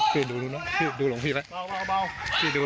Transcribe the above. คลิปนี้เป็นคลิปหลังเกิดเหตุ